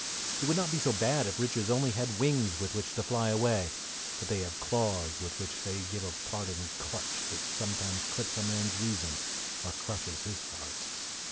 It would not be so bad if riches only had wings with which to fly away; but they have claws with which they give a parting clutch that sometimes clips a man's reason, or crushes his heart.